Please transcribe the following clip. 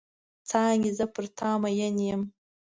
څانګې زه پر تا مئن یم.